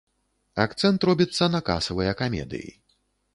Акцэнт робіцца на касавыя камедыі.